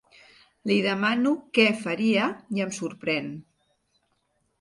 Li demano què faria i em sorprèn.